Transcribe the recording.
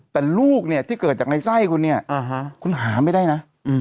แต่ลูกเนี่ยที่เกิดจากในไส้คุณเนี่ยคุณหาไม่ได้นะ